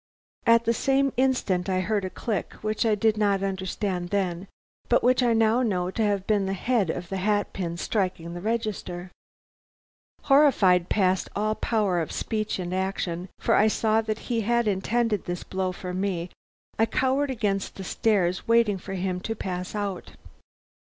At the same instant I heard a click, which I did not understand then, but which I now know to have been the head of the hat pin striking the register. "Horrified past all power of speech and action, for I saw that he had intended this blow for me, I cowered against the stairs, waiting for him to pass out.